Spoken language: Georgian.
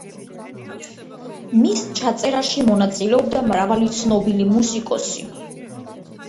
მის ჩაწერაში მონაწილეობდა მრავალი ცნობილი მუსიკოსი.